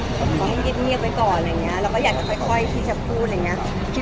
ขอให้เงียบไว้ก่อนอะไรอย่างนี้เราก็อยากจะค่อยที่จะพูดอะไรอย่างนี้